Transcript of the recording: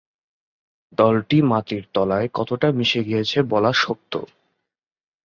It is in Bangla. দ’লটি মাটির তলায় কতটা মিশে গিয়েছে বলা শক্ত।